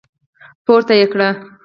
پورته يې کړ.